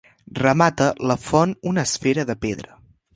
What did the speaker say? Remata la font una esfera de pedra.